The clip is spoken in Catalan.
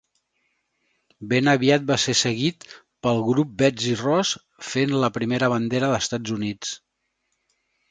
Ben aviat va ser seguit pel grup Betsy Ross fent la primera bandera d'Estats Units.